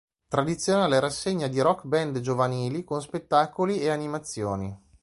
Tradizionale rassegna di rock band giovanili con spettacoli e animazioni.